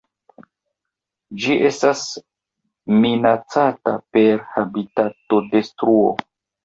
Ĝi estas minacata per habitatodetruo.